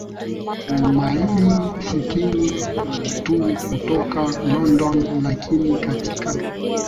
maili sitini tu kutoka London Lakini katika